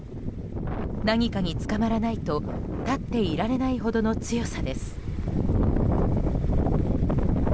何かにつかまらないと立っていられないほどの強さです。